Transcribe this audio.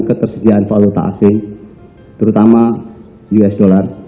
ketersediaan valuta asing terutama usd